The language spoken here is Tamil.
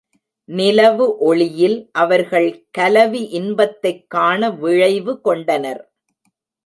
நிலவு ஒளியில் அவர்கள் கலவி இன்பத்தைக் காண விழைவு கொண்டனர்.